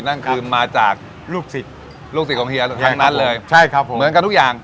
นั่นคือมาจากลูกศิษย์ลูกศิษย์ของเฮียทั้งนั้นเลยใช่ครับผมเหมือนกับทุกอย่าง